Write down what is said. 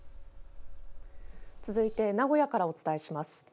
続いて名古屋からお伝えします。